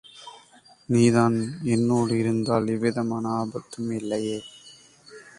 நீதான் என்னோடு இருந்தால் எவ்விதமான ஆபத்தும் இல்லையே!